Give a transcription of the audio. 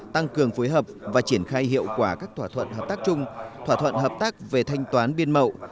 tăng cường phối hợp và triển khai hiệu quả các thỏa thuận hợp tác chung thỏa thuận hợp tác về thanh toán biên mậu